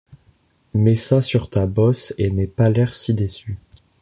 Mets ça sur ta bosse et n’aie pas l’air si déçu.